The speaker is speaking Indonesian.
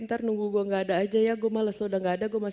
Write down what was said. ntar nunggu gue gak ada aja ya gue males udah gak ada